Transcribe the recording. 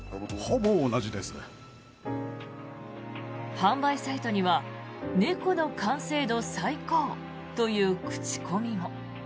販売サイトには猫の完成度最高という口コミも。